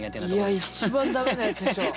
いや一番駄目なやつでしょ。